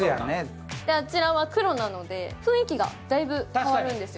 あちらは黒なので、雰囲気がだいぶ変わるんですよ。